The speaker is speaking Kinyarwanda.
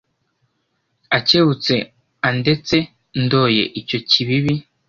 Akebutse andetse ndoye icyo kibibi